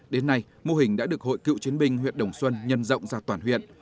đến nay mô hình đã được hội cựu chiến binh huyện đồng xuân nhân rộng ra toàn huyện